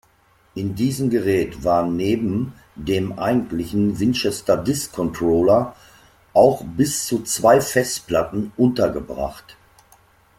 In diesem Gerät waren neben dem eigentlichen Winchester-Disk-Controller auch bis zu zwei Festplatten untergebracht.